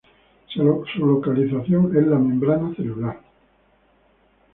Su localización es la membrana celular.